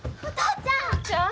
父ちゃん！